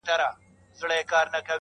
په دامنځ کي ورنیژدې یو سوداګر سو -